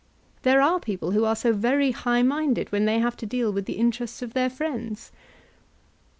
There are people who are so very high minded when they have to deal with the interests of their friends!